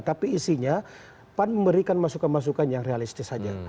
tapi isinya pan memberikan masukan masukan yang realistis saja